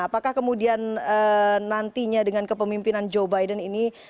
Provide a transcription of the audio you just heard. apakah kemudian nantinya dengan kepemimpinan joe biden ini